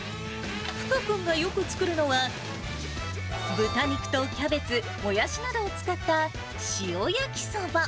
福君がよく作るのは、豚肉とキャベツ、もやしなどを使った塩焼きそば。